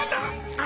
あ！